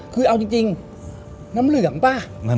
คือเอาจริงน้ำเหลืองป่ะ